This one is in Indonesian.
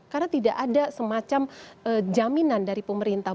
karena tidak ada semacam jaminan dari pemerintah